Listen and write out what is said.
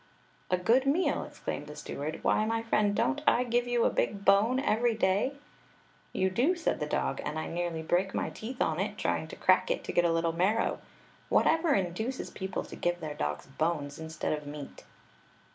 "A good meal!" exclaimed the steward "Why, my friend, don't I give you a big bone every day?" "You do," said the dc^; and I nearly break my teeth on it, trying to crack it to get a little marrow. Whatever induces people to give their dogs bones instead of meat?"